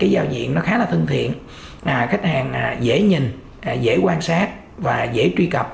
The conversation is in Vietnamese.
giao diện khá là thân thiện khách hàng dễ nhìn dễ quan sát và dễ truy cập